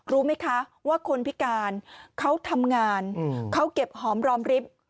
รู้ไหมคะว่าคนพิการเขาทำงานเขาเก็บหอมรอมริบ